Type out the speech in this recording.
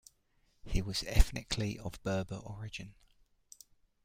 He was ethnically of Berber origin.